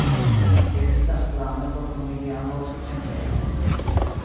Ekzistas planoj por kunigi ambaŭ skicentrejojn.